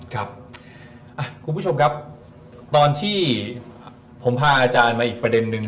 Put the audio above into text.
คุณผู้ชมครับตอนที่ผมพาอาจารย์มาอีกประเด็นนึง